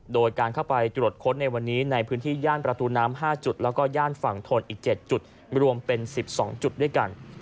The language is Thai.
โดยการเข้าไปตรวจค้นในวันนี้ในพื้นที่ย่านประตูน้ำ๕จุดแล้วก็ย่านฝั่งทนอีก๗จุดรวมเป็น๑๒จุดด้วยกัน